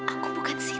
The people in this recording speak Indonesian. aku bukan sita